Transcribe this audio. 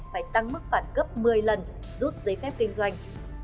phải tăng mức phạt gấp một mươi lần rút giấy phép kinh doanh